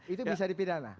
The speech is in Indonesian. itu bisa dipidana